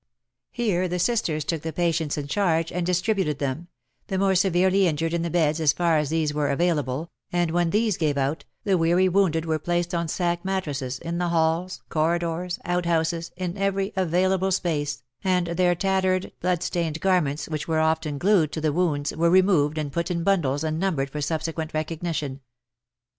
Here the sisters took the patients in charge and dis tributed them — the more severely injured in the beds as far as these were available, and when these gave out, the weary wounded were placed on sack mattresses in the halls, corridors, outhouses, in every available space, and their tattered, bloodstained garments, which were often glued to the wounds, were removed and put in bundles and numbered for subsequent recognition.